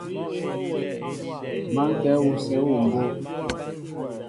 Ma kɛ wusɛ awem mbóʼ.